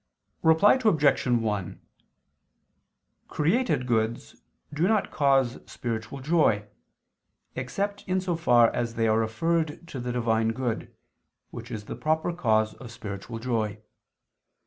Reply Obj. 1: Created goods do not cause spiritual joy, except in so far as they are referred to the Divine good, which is the proper cause of spiritual joy.